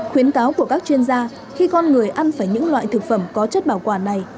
khuyến cáo của các chuyên gia khi con người ăn phải những loại thực phẩm có chất bảo quản này